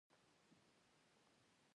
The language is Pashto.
الماري د مجلس خونې برخه ده